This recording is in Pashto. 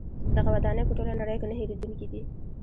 دغه ودانۍ په ټوله نړۍ کې نه هیریدونکې دي.